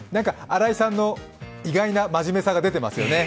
新井さんの意外な真面目さが出てますよね。